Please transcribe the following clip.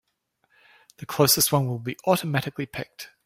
The closest one will be automatically picked.